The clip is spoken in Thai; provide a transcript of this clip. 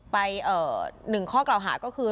ไปเอ่อหนึ่งข้อกล่าวหาก็คือ